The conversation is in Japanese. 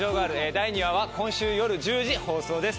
第２話は今週夜１０時放送です。